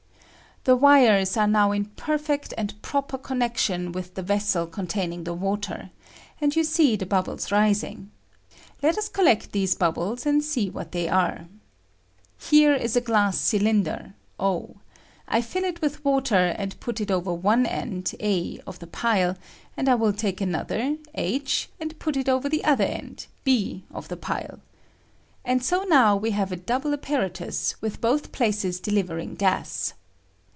The wires are now in perfect and proper connection with the vessel contain ing the water, and you see the bubbles rising; let us collect these bubbles and see what they are. Here is a glass cylinder (o) ; I fill it with water and put it over one end (a) of the pile, and I will take another (h), and put it over the other end (b) of the pile. And so now wc have a double apparatus, with both places delivering gas.